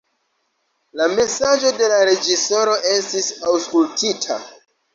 La mesaĝo de la reĝisoro estis aŭskultita.